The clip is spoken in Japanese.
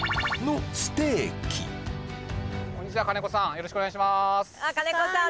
よろしくお願いします金子さん